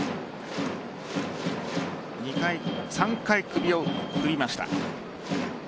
３回、首を振りました。